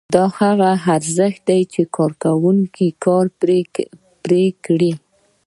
دا هغه ارزښت دی چې کارګرانو کار پرې کړی